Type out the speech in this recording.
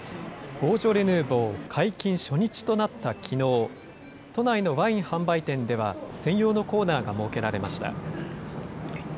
ボージョレ・ヌーボー解禁初日となったきのう、都内のワイン販売店では、専用のコーナーが設けられました。